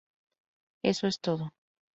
Eso es todo".